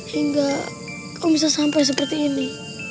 hingga kau bisa sampai seperti ini